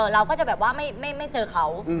เราก็จะแบบว่าไม่เจอเขา